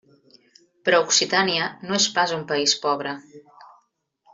Però Occitània no és pas un país pobre.